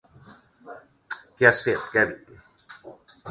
Què has fet, Kevin?